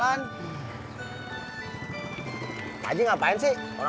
emang kita aja apa jadi bro